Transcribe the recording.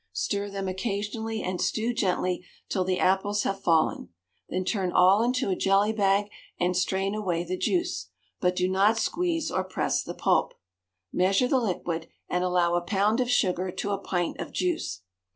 Stir them occasionally and stew gently till the apples have fallen, then turn all into a jelly bag and strain away the juice, but do not squeeze or press the pulp. Measure the liquid and allow a pound of sugar to a pint of juice.